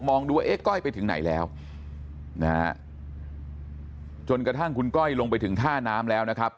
ดูว่าเอ๊ะก้อยไปถึงไหนแล้วนะฮะจนกระทั่งคุณก้อยลงไปถึงท่าน้ำแล้วนะครับ